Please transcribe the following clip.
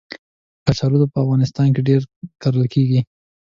کچالو په افغانستان کې ډېر کرل کېږي